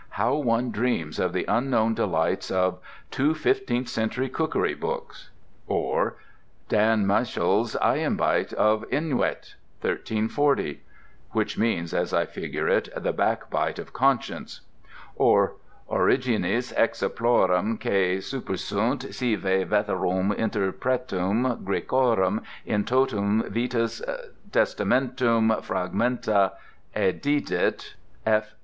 How one dreams of the unknown delights of "Two Fifteenth Century Cookery Books," or "Dan Michel's Ayenbite of Inwyt, 1340" (which means, as I figure it, the "Backbite of Conscience"), or "Origenis Hexaplorum quae supersunt sive Veterum Interpretum Graecorum in totum Vetus Testamentum Fragmenta, edidit F.